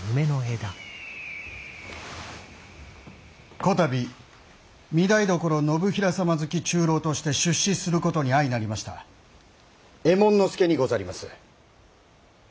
こたび御台所信平様づき中臈として出仕することに相成りました右衛門佐にござります。